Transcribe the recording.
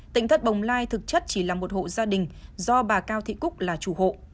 tỉnh thất bồng lai thực chất chỉ là một hộ gia đình do bà cao thị cúc là chủ hộ